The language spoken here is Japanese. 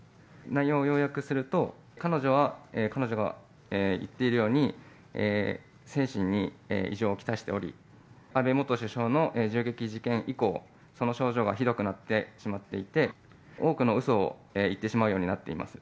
内容を要約すると、彼女は、彼女が言っているように、精神に異常をきたしており、安倍元首相の銃撃事件以降、その症状がひどくなってしまっていて、多くのうそを言ってしまうようになっています。